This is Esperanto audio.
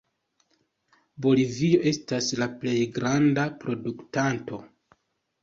Bolivio estas la plej granda produktanto.